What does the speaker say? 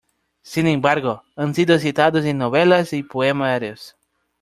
Sin embargo, han sido citados en novelas y poemarios.